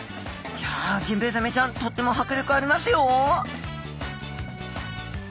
いやジンベエザメちゃんとってもはくりょくありますよ！